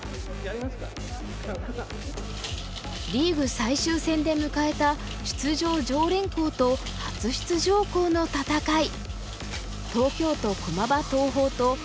リーグ最終戦で迎えた出場常連校と初出場校の戦い。